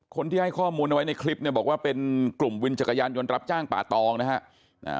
คนที่ให้ข้อมูลเอาไว้ในคลิปเนี่ยบอกว่าเป็นกลุ่มวินจักรยานยนต์รับจ้างป่าตองนะฮะ